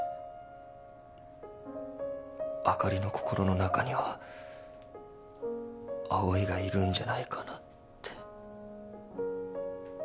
あかりの心の中には葵がいるんじゃないかなって。